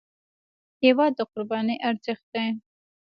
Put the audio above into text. هېواد د قربانۍ ارزښت دی.